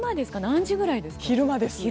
何時ぐらいですか。